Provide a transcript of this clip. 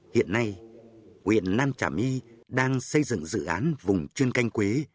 hiện nay nguyễn nam trả my đang xây dựng dự án vùng chuyên canh quế